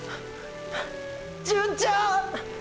純ちゃん！！